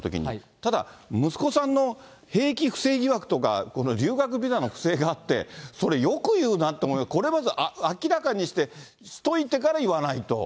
ただ息子さんの兵役不正疑惑とか、この留学ビザの不正があって、それ、よく言うなと思って、これ、まず明らかにしておいてから言わないと。